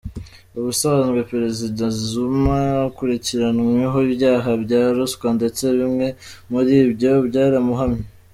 Ubusanzwe Perezida Zuma akurikiranweho ibyaha bya ruswa, ndetse bimwe muri byo byaramuhamye.